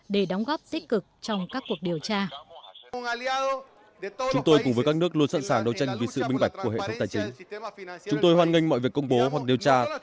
để đóng góp tích cực trong các cuộc điều tra